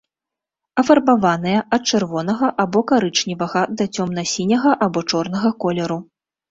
Афарбаваныя ад чырвонага або карычневага да цёмна-сіняга або чорнага колеру.